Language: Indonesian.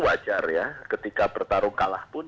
wajar ya ketika bertarung kalah pun